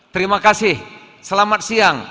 terima kasih selamat siang